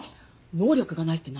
能力がないって何？